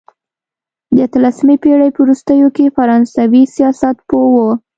د اتلسمې پېړۍ په وروستیو کې فرانسوي سیاستپوه وو.